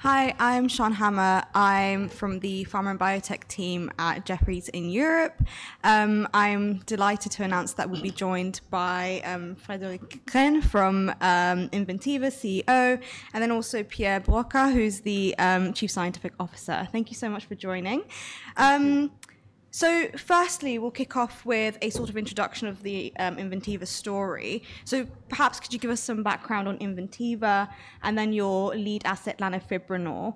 Hi, I'm Siân Hammer. I'm from the pharma and biotech team at Jefferies in Europe. I'm delighted to announce that we'll be joined by Frédéric Cren from Inventiva, CEO, and then also Pierre Broqua, who's the Chief Scientific Officer. Thank you so much for joining. Firstly, we'll kick off with a sort of introduction of the Inventiva story. Perhaps could you give us some background on Inventiva and then your lead asset, lanifibranor,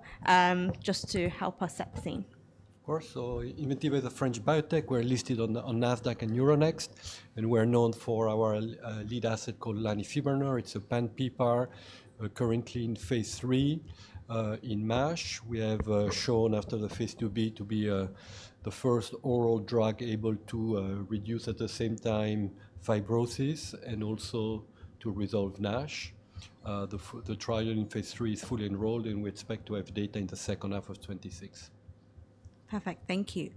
just to help us set the scene? Of course. Inventiva is a French biotech. We're listed on Nasdaq and Euronext, and we're known for our lead asset called lanifibranor. It's a pan-PPAR, currently in phase III in NASH. We have shown after the phase II-B to be the first oral drug able to reduce at the same time fibrosis and also to resolve NASH. The trial in phase III is fully enrolled, and we expect to have data in the second half of 2026. Perfect. Thank you.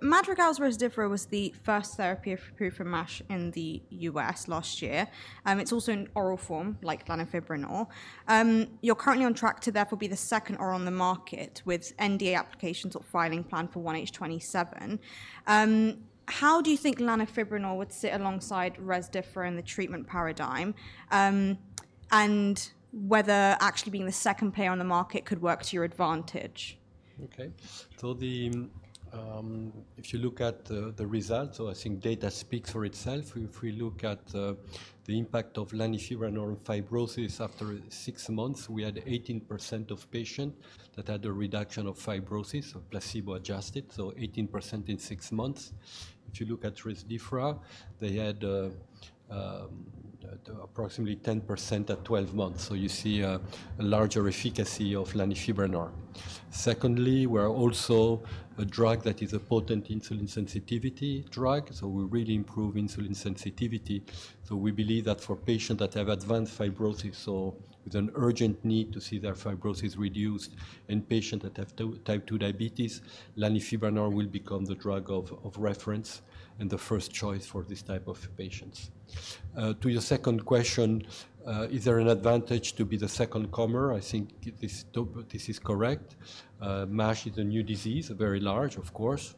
Madrigal's resmetirom was the first therapy approved for NASH in the U.S. last year. It's also an oral form like lanifibranor. You're currently on track to therefore be the second oral on the market with NDA applications or filing planned for 1H 2027. How do you think lanifibranor would sit alongside resmetirom in the treatment paradigm and whether actually being the second player on the market could work to your advantage? Okay. If you look at the results, I think data speaks for itself. If we look at the impact of lanifibranor on fibrosis after six months, we had 18% of patients that had a reduction of fibrosis placebo adjusted, so 18% in six months. If you look at rosiglitazone, they had approximately 10% at 12 months. You see a larger efficacy of lanifibranor. Secondly, we're also a drug that is a potent insulin sensitivity drug. We really improve insulin sensitivity. We believe that for patients that have advanced fibrosis, with an urgent need to see their fibrosis reduced, and patients that have type-2 diabetes, lanifibranor will become the drug of reference and the first choice for this type of patients. To your second question, is there an advantage to be the second comer? I think this is correct. NASH is a new disease, very large, of course.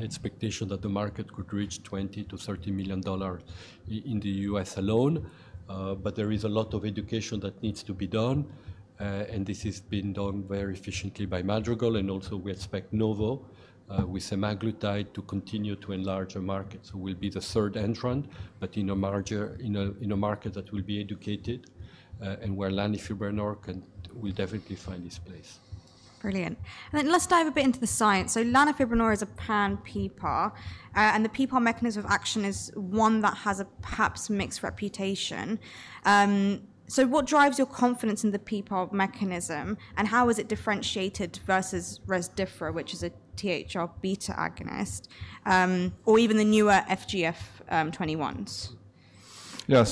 Expectation that the market could reach $20 million-$30 million in the U.S. alone, but there is a lot of education that needs to be done. This has been done very efficiently by Madrigal. We expect Novo with semaglutide to continue to enlarge the market. We will be the third entrant, but in a market that will be educated and where lanifibranor can definitely find its place. Brilliant. Then let's dive a bit into the science. lanifibranor is a pan-PPAR, and the PPAR mechanism of action is one that has a perhaps mixed reputation. What drives your confidence in the PPAR mechanism and how is it differentiated versus resmetirom, which is a THR beta agonist, or even the newer FGF21s? Yeah.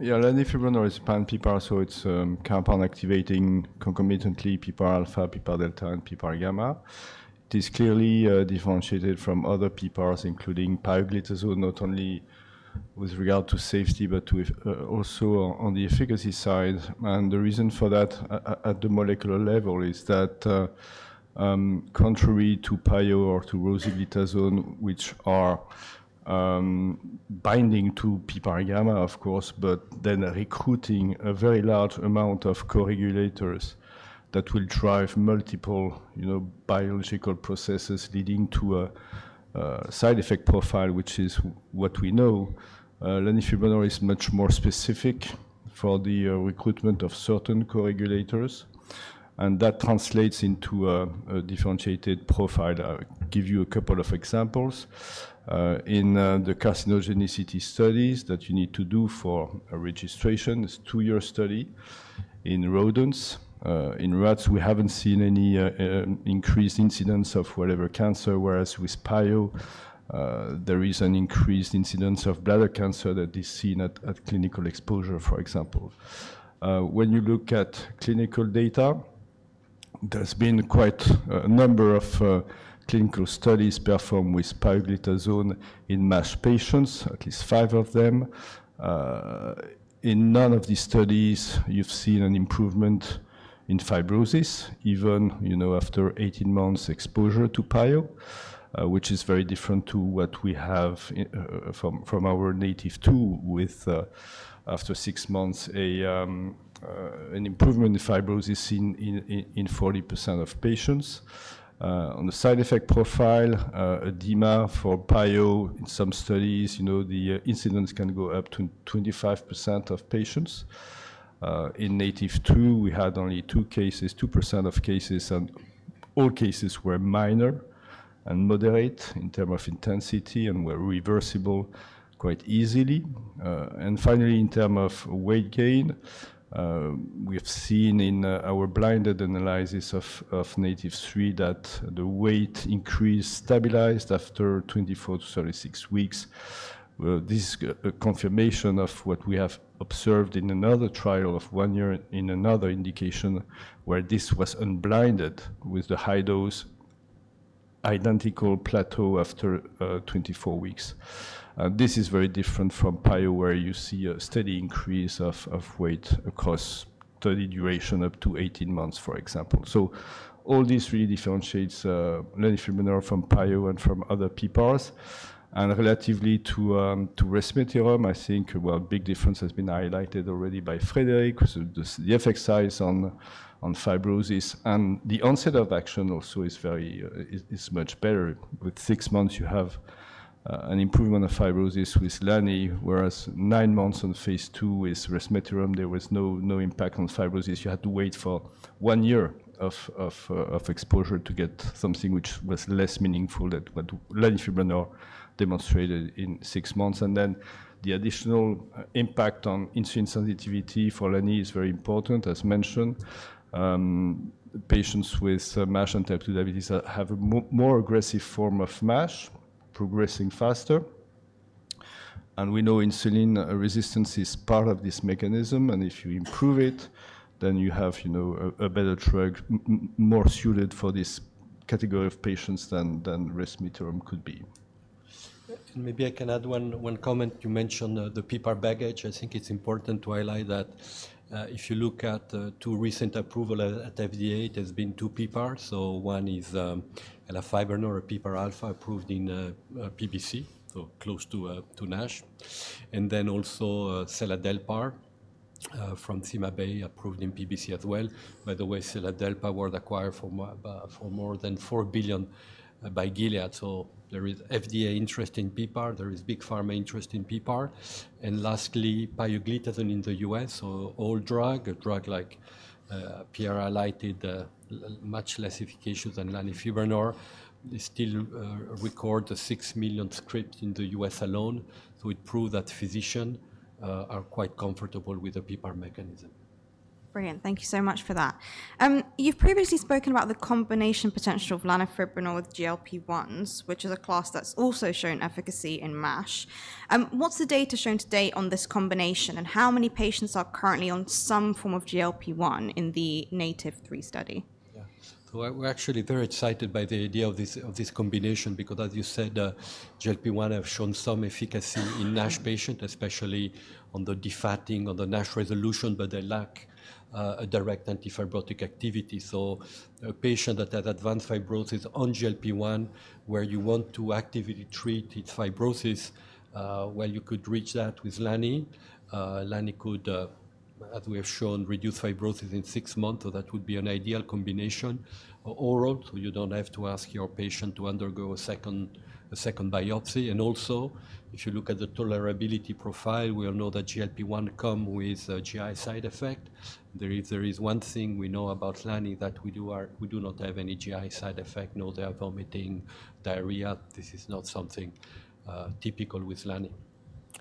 Yeah, lanifibranor is pan-PPAR. It is activating concomitantly PPAR alpha, PPAR delta, and PPAR gamma. It is clearly differentiated from other PPARs, including pioglitazone, not only with regard to safety, but also on the efficacy side. The reason for that at the molecular level is that contrary to pio or to rosiglitazone, which are binding to PPAR gamma, of course, but then recruiting a very large amount of co-regulators that will drive multiple biological processes leading to a side effect profile, which is what we know, lanifibranor is much more specific for the recruitment of certain co-regulators, and that translates into a differentiated profile. I'll give you a couple of examples. In the carcinogenicity studies that you need to do for registration, it's a two-year study in rodents. In rats, we haven't seen any increased incidence of whatever cancer, whereas with pio, there is an increased incidence of bladder cancer that is seen at clinical exposure, for example. When you look at clinical data, there's been quite a number of clinical studies performed with pioglitazone in matched patients, at least five of them. In none of these studies, you've seen an improvement in fibrosis, even after 18 months exposure to pio, which is very different to what we have from NATiV2 with after six months, an improvement in fibrosis in 40% of patients. On the side effect profile, edema for pio in some studies, the incidence can go up to 25% of patients. In NATiV2, we had only two cases, 2% of cases, and all cases were minor and moderate in terms of intensity and were reversible quite easily. Finally, in terms of weight gain, we have seen in our blinded analysis of NATiV3 that the weight increase stabilized after 24 weeks-36 weeks. This is a confirmation of what we have observed in another trial of one year in another indication where this was unblinded with the high dose, identical plateau after 24 weeks. This is very different from pio, where you see a steady increase of weight across study duration up to 18 months, for example. All this really differentiates lanifibranor from pio and from other PPARs. Relatively to resmetirom, I think a big difference has been highlighted already by Frédéric, the effect size on fibrosis and the onset of action also is much better. With six months, you have an improvement of fibrosis with lani, whereas nine months on phase II with resmetirom, there was no impact on fibrosis. You had to wait for one year of exposure to get something which was less meaningful than what lanifibranor demonstrated in six months. The additional impact on insulin sensitivity for lani is very important. As mentioned, patients with MASH and type-2 diabetes have a more aggressive form of MASH, progressing faster. We know insulin resistance is part of this mechanism. If you improve it, then you have a better drug, more suited for this category of patients than resmetirom could be. Maybe I can add one comment. You mentioned the PPAR baggage. I think it's important to highlight that if you look at two recent approvals at FDA, there's been two PPARs. One is lanifibranor, a PPAR alpha approved in PBC, so close to NASH. Also, seladelpar from CymaBay approved in PBC as well. By the way, seladelpar was acquired for more than $4 billion by Gilead. There is FDA interest in PPAR. There is big pharma interest in PPAR. Lastly, pioglitazone in the U.S. A drug like pioglitazone, much less efficacious than lanifibranor, still records 6 million scripts in the U.S. alone. It proves that physicians are quite comfortable with the PPAR mechanism. Brilliant. Thank you so much for that. You've previously spoken about the combination potential of lanifibranor with GLP-1s, which is a class that's also shown efficacy in MASH. What's the data shown today on this combination and how many patients are currently on some form of GLP-1 in the NATiV3 study? Yeah. So we're actually very excited by the idea of this combination because, as you said, GLP-1 have shown some efficacy in NASH patients, especially on the defatting, on the NASH resolution, but they lack a direct antifibrotic activity. A patient that has advanced fibrosis on GLP-1, where you want to actively treat its fibrosis, you could reach that with lani. lani could, as we have shown, reduce fibrosis in six months. That would be an ideal combination. Oral, so you do not have to ask your patient to undergo a second biopsy. Also, if you look at the tolerability profile, we all know that GLP-1 comes with a GI side effect. There is one thing we know about lani, that we do not have any GI side effect, nor do they have vomiting, diarrhea. This is not something typical with lani.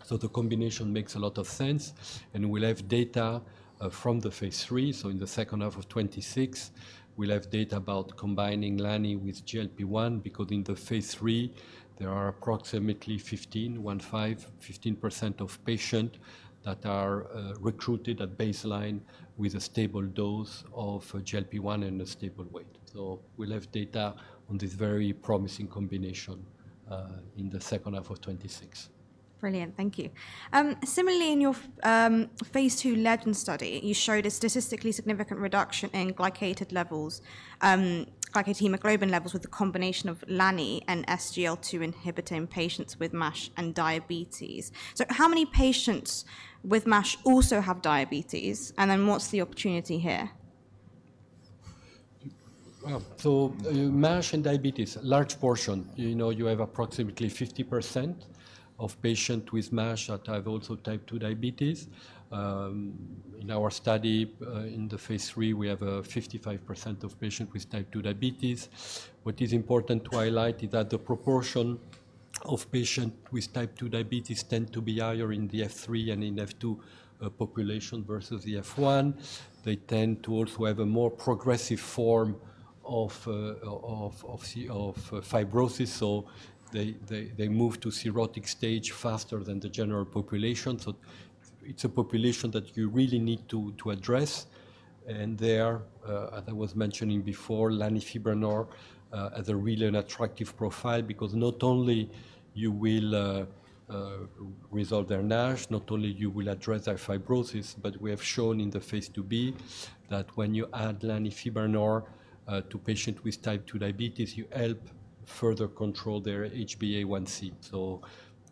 The combination makes a lot of sense. We will have data from the phase III. In the second half of 2026, we will have data about combining lani with GLP-1 because in the phase III, there are approximately 15% of patients that are recruited at baseline with a stable dose of GLP-1 and a stable weight. We will have data on this very promising combination in the second half of 2026. Brilliant. Thank you. Similarly, in your phase II LEGEND study, you showed a statistically significant reduction in glycated levels, glycated hemoglobin levels with the combination of lani and SGLT2 inhibitor in patients with MASH and diabetes. How many patients with MASH also have diabetes? What is the opportunity here? MASH and diabetes, large portion. You have approximately 50% of patients with MASH that have also type-2 diabetes. In our study in the phase III, we have 55% of patients with type-2 diabetes. What is important to highlight is that the proportion of patients with type-2 diabetes tends to be higher in the F3 and in F2 population versus the F1. They tend to also have a more progressive form of fibrosis. They move to cirrhotic stage faster than the general population. It is a population that you really need to address. As I was mentioning before, lanifibranor has a really attractive profile because not only will you resolve their NASH, not only will you address their fibrosis, but we have shown in the phase II-B that when you add lanifibranor to patients with type-2 diabetes, you help further control their HbA1c.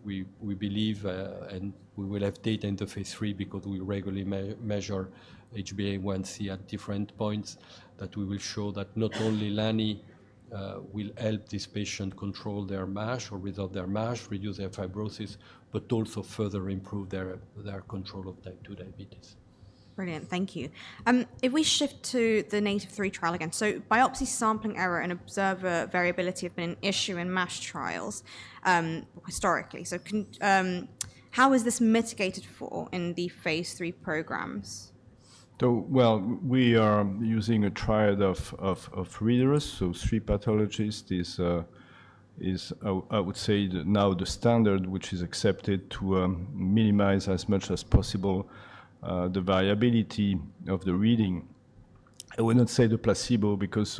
We believe, and we will have data in the phase III because we regularly measure HbA1c at different points, that we will show that not only lani will help this patient control their MASH or resolve their MASH, reduce their fibrosis, but also further improve their control of type-2 diabetes. Brilliant. Thank you. If we shift to the NATiV3 trial again, biopsy sampling error and observer variability have been an issue in MASH trials historically. How is this mitigated for in the phase III programs? We are using a triad of readers, so three pathologists. I would say now the standard, which is accepted to minimize as much as possible the variability of the reading. I would not say the placebo because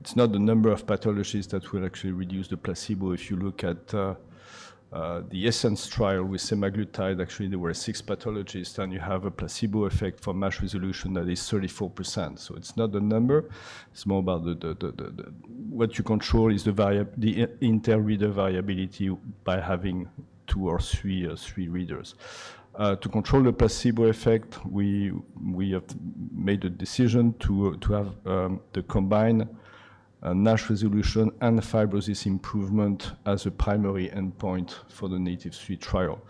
it's not the number of pathologists that will actually reduce the placebo. If you look at the essence trial with semaglutide, actually there were six pathologists, and you have a placebo effect for MASH resolution that is 34%. It is not the number. It is more about what you control is the inter-reader variability by having two or three readers. To control the placebo effect, we have made a decision to have the combined NASH resolution and fibrosis improvement as a primary endpoint for the NATiV3 trial.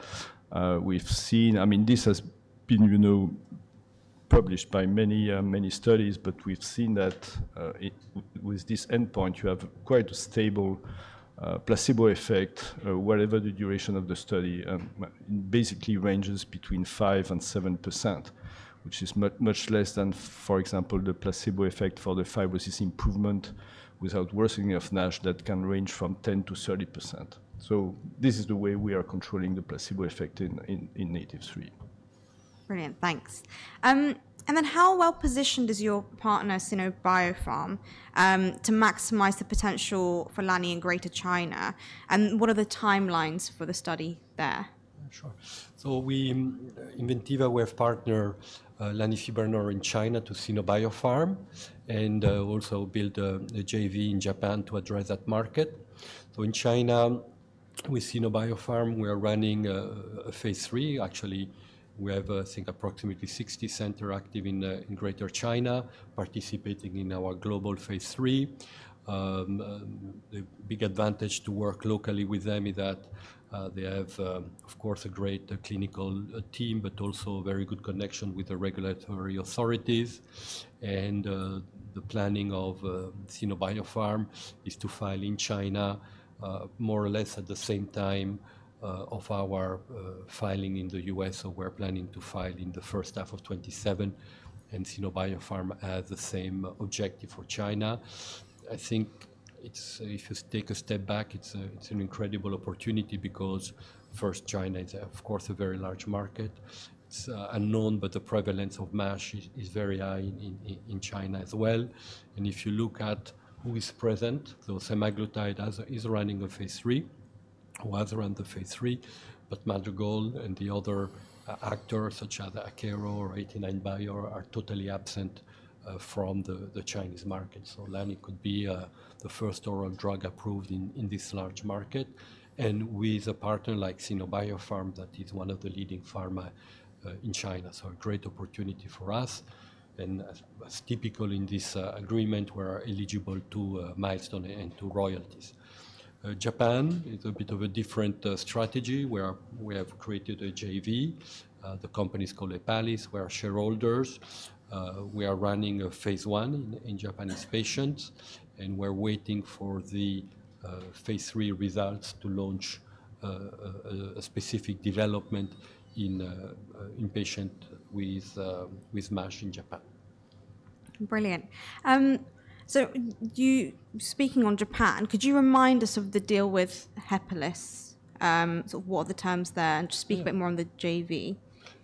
I mean, this has been published by many studies, but we've seen that with this endpoint, you have quite a stable placebo effect wherever the duration of the study basically ranges between 5% and 7%, which is much less than, for example, the placebo effect for the fibrosis improvement without worsening of NASH that can range from 10%-30%. This is the way we are controlling the placebo effect in NATiV3. Brilliant. Thanks. How well positioned is your partner, Sino Biopharm, to maximize the potential for lani in Greater China? What are the timelines for the study there? Sure. In Inventiva, we have partnered lanifibranor in China to Sino Biopharm and also built a JV in Japan to address that market. In China, with Sino Biopharm, we are running a phase III. Actually, we have, I think, approximately 60 centers active in Greater China, participating in our global phase III. The big advantage to work locally with them is that they have, of course, a great clinical team, but also a very good connection with the regulatory authorities. The planning of Sino Biopharm is to file in China more or less at the same time as our filing in the U.S. We are planning to file in the first half of 2027, and Sino Biopharm has the same objective for China. I think if you take a step back, it is an incredible opportunity because first, China is, of course, a very large market. It's unknown, but the prevalence of MASH is very high in China as well. If you look at who is present, semaglutide is running a phase III, was run the phase III, but Madrigal and the other actors, such as Akero or 89bio, are totally absent from the Chinese market. Lani could be the first oral drug approved in this large market. With a partner like Sino Biopharm, that is one of the leading pharma in China, a great opportunity for us. As typical in this agreement, we're eligible to milestone and to royalties. Japan is a bit of a different strategy. We have created a JV. The company is called Hepalys. We are shareholders. We are running a phase one in Japanese patients, and we're waiting for the phase III results to launch a specific development in patients with MASH in Japan. Brilliant. Speaking on Japan, could you remind us of the deal with Hepalys, what the terms are there, and just speak a bit more on the JV?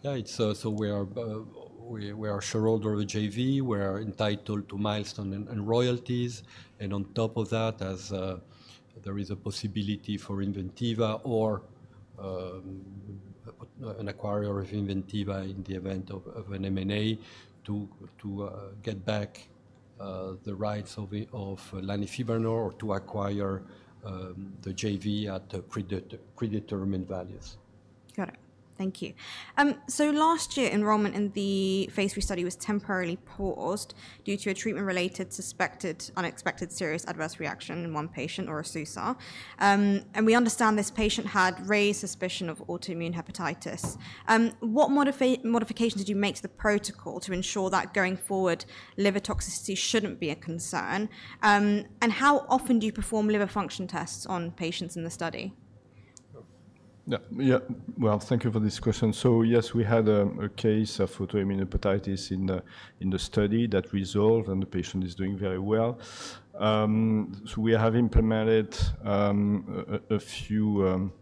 Yeah. We are shareholders of the JV. We are entitled to milestone and royalties. On top of that, there is a possibility for Inventiva or an acquirer of Inventiva in the event of an M&A to get back the rights of lanifibranor or to acquire the JV at predetermined values. Got it. Thank you. Last year, enrollment in the phase III study was temporarily paused due to a treatment-related suspected unexpected serious adverse reaction in one patient or a SUSAR. We understand this patient had raised suspicion of autoimmune hepatitis. What modifications did you make to the protocol to ensure that going forward, liver toxicity should not be a concern? How often do you perform liver function tests on patients in the study? Yeah. Thank you for this question. Yes, we had a case of autoimmune hepatitis in the study that resolved, and the patient is doing very well. We have implemented a few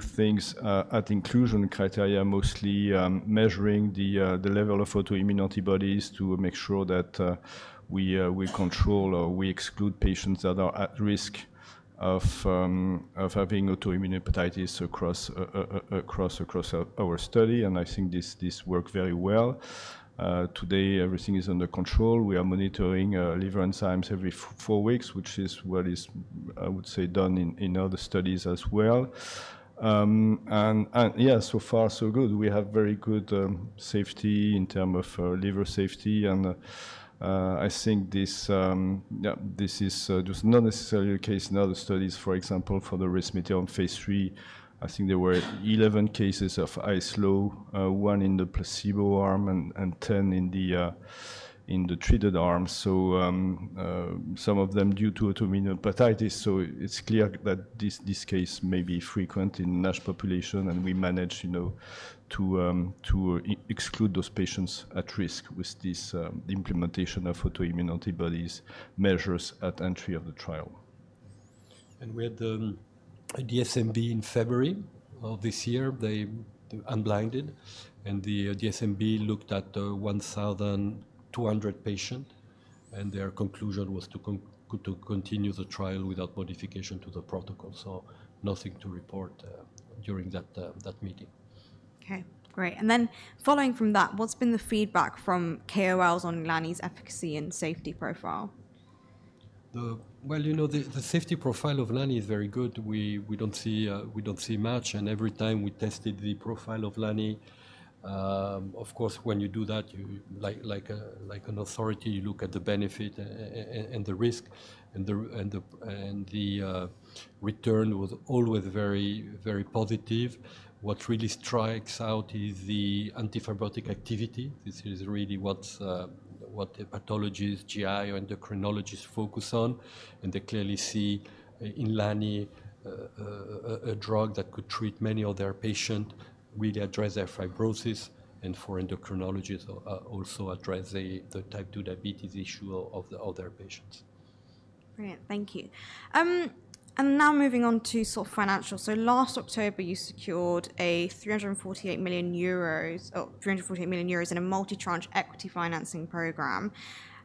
things at inclusion criteria, mostly measuring the level of autoimmune antibodies to make sure that we control or we exclude patients that are at risk of having autoimmune hepatitis across our study. I think this worked very well. Today, everything is under control. We are monitoring liver enzymes every four weeks, which is what is, I would say, done in other studies as well. Yeah, so far, so good. We have very good safety in terms of liver safety. I think this is not necessarily the case in other studies. For example, for the resmetirom on phase III, I think there were 11 cases of ISLO, one in the placebo arm and 10 in the treated arm. Some of them due to autoimmune hepatitis. It is clear that this case may be frequent in the NASH population, and we managed to exclude those patients at risk with this implementation of autoimmune antibodies measures at entry of the trial. We had the DSMB in February of this year. They unblinded, and the DSMB looked at 1,200 patients, and their conclusion was to continue the trial without modification to the protocol. Nothing to report during that meeting. Okay. Great. Following from that, what's been the feedback from KOLs on lani's efficacy and safety profile? You know the safety profile of lani is very good. We don't see much. Every time we tested the profile of lani, of course, when you do that, like an authority, you look at the benefit and the risk. The return was always very positive. What really strikes out is the antifibrotic activity. This is really what the pathologists, GI or endocrinologists focus on. They clearly see in lani a drug that could treat many of their patients, really address their fibrosis, and for endocrinologists also address the type-2 diabetes issue of their patients. Brilliant. Thank you. Now moving on to sort of financial. Last October, you secured 348 million euros in a multi-charge equity financing program.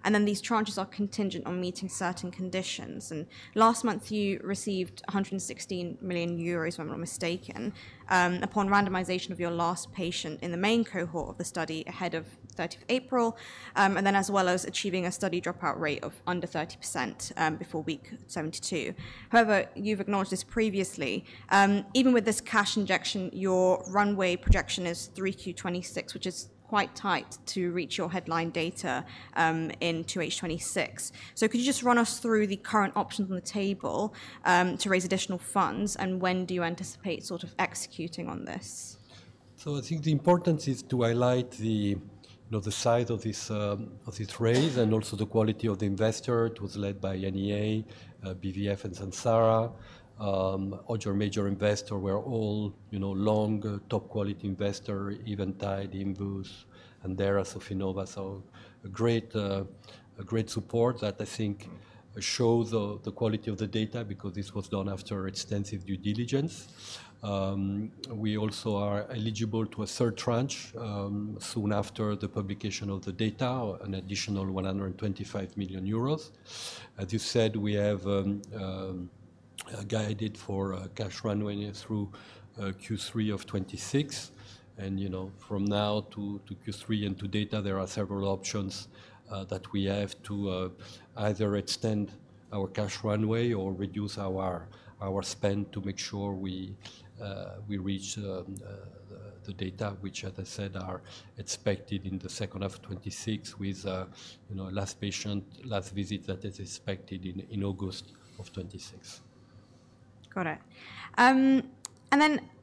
These charges are contingent on meeting certain conditions. Last month, you received 116 million euros, if I'm not mistaken, upon randomization of your last patient in the main cohort of the study ahead of 30th April, as well as achieving a study dropout rate of under 30% before week 72. However, you've acknowledged this previously. Even with this cash injection, your runway projection is 3Q 2026, which is quite tight to reach your headline data in 2H 2026. Could you just run us through the current options on the table to raise additional funds, and when do you anticipate sort of executing on this? I think the importance is to highlight the size of this raise and also the quality of the investor. It was led by NEA, BVF, and Samsara. Other major investor, were all long top quality investors, Eventide, Invus, and Sofinnova. Great support that I think shows the quality of the data because this was done after extensive due diligence. We also are eligible to a third tranche soon after the publication of the data, an additional 125 million euros. As you said, we have guided for cash runway through Q3 of 2026. From now to Q3 and to data, there are several options that we have to either extend our cash runway or reduce our spend to make sure we reach the data, which, as I said, are expected in the second half of 2026 with last patient, last visit that is expected in August of 2026. Got it.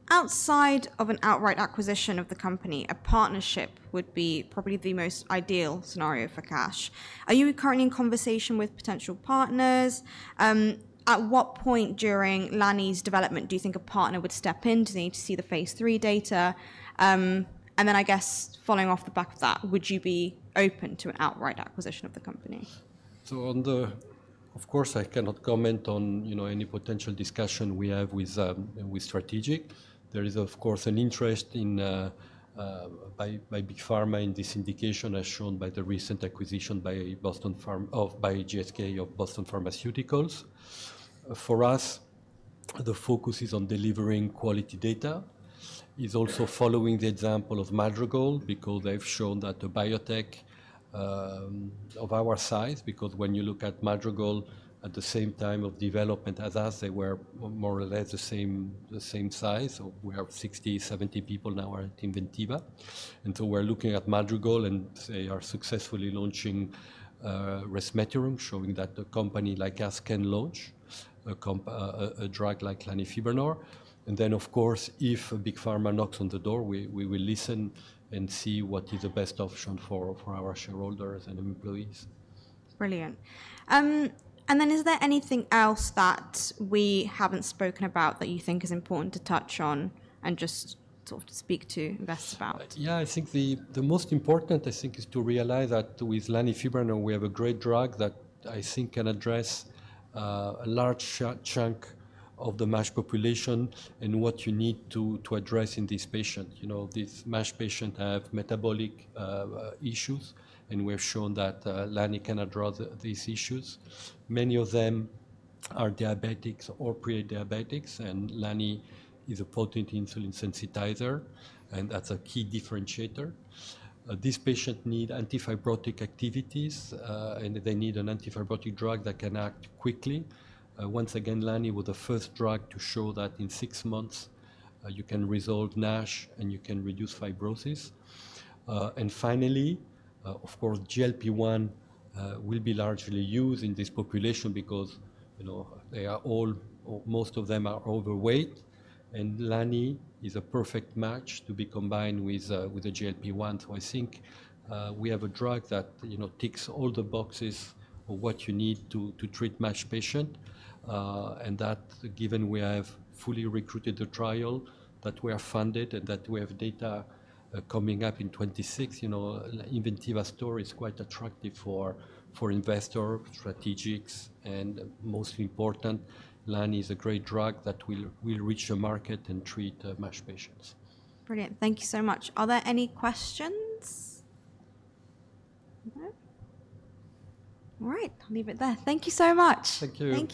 Outside of an outright acquisition of the company, a partnership would be probably the most ideal scenario for cash. Are you currently in conversation with potential partners? At what point during lani's development do you think a partner would step in to see the phase III data? I guess following off the back of that, would you be open to an outright acquisition of the company? Of course, I cannot comment on any potential discussion we have with Strategic. There is, of course, an interest by big pharma in this indication as shown by the recent acquisition by GSK of Boston Pharmaceuticals. For us, the focus is on delivering quality data. It's also following the example of Madrigal because they've shown that the biotech of our size, because when you look at Madrigal at the same time of development as us, they were more or less the same size. We have 60-70 people now at Inventiva. We're looking at Madrigal, and they are successfully launching resmetirom, showing that a company like us can launch a drug like lanifibranor. If big pharma knocks on the door, we will listen and see what is the best option for our shareholders and employees. Brilliant. Is there anything else that we have not spoken about that you think is important to touch on and just sort of speak to investors about? Yeah. I think the most important, I think, is to realize that with lanifibranor, we have a great drug that I think can address a large chunk of the MASH population and what you need to address in this patient. This MASH patient has metabolic issues, and we have shown that lani can address these issues. Many of them are diabetics or prediabetics, and lani is a potent insulin sensitizer, and that's a key differentiator. This patient needs antifibrotic activities, and they need an antifibrotic drug that can act quickly. Once again, lani was the first drug to show that in six months, you can resolve NASH and you can reduce fibrosis. Finally, of course, GLP-1 will be largely used in this population because most of them are overweight, and lani is a perfect match to be combined with a GLP-1. I think we have a drug that ticks all the boxes of what you need to treat MASH patients. Given we have fully recruited the trial, that we are funded, and that we have data coming up in 2026, Inventiva store is quite attractive for investors, strategics, and most important, lani is a great drug that will reach the market and treat MASH patients. Brilliant. Thank you so much. Are there any questions? All right. I'll leave it there. Thank you so much. Thank you.